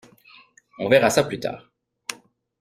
On verra ça plus tard.